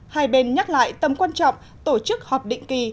hai bên nhắc lại tầm quan trọng tổ chức họp định kỳ